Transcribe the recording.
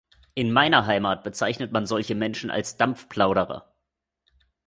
In meiner Heimat bezeichnet man solche Menschen als Dampfplauderer.